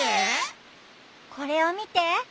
これをみて。